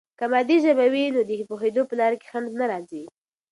که مادي ژبه وي، نو د پوهیدو په لاره کې خنډ نه راځي.